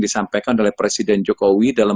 disampaikan oleh presiden jokowi dalam